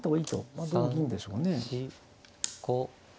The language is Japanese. まあ同銀でしょうね。